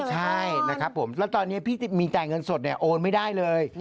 ใช่นะครับผมแล้วตอนนี้พี่มีจ่ายเงินสดเนี่ยโอนไม่ได้เลย